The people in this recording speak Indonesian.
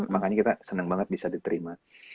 makanya kita senang banget bisa diterima